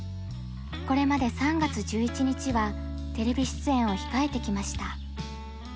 これまで３月１１日はテレビ出演を控えてきました。